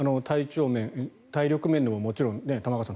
体力面でももちろん玉川さん